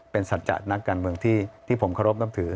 เป็นสัจจะนักการเมืองที่ผมเคารพนับถือ